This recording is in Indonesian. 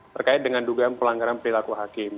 terkait dengan dugaan pelanggaran perilaku hakim